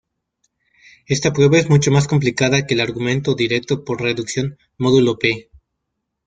Esta prueba es mucho más complicada que el argumento directo por reducción módulo "p".